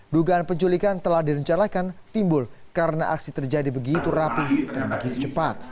dugaan penculikan telah direncanakan timbul karena aksi terjadi begitu rapi dan begitu cepat